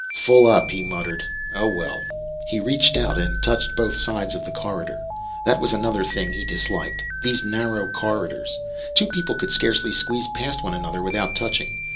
"Full up!" he muttered. "Oh, well." He reached out and touched both sides of the corridor. That was another thing he disliked; these narrow corridors. Two people could scarcely squeeze past one another without touching.